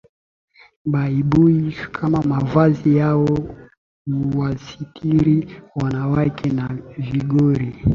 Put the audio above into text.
Baibui kama mavazi yao huwasitiri wanawake na vigori